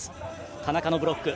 田中のブロック。